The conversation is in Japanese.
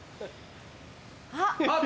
あっ！